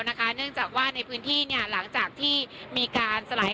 เนื่องจากว่าในพื้นที่หลังจากที่มีการสลาย